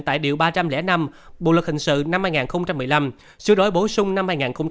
tại điều ba trăm linh năm bộ luật hình sự năm hai nghìn một mươi năm sửa đổi bổ sung năm hai nghìn một mươi bảy